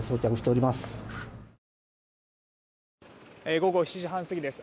午後７時半過ぎです。